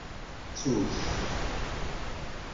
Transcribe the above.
Ttut-t.